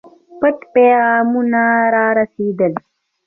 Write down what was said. پټ پیغامونه را رسېدل.